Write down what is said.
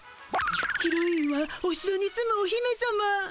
ヒロインはおしろに住むお姫さま。